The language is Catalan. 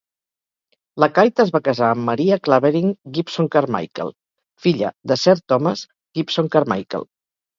Lacaita es va casar amb Maria Clavering Gibson-Carmichael, filla de Sir Thomas Gibson-Carmichael.